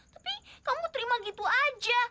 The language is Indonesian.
tapi kamu terima gitu aja